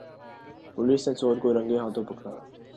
police نے چور کو رنگے ہاتھوں پکڑا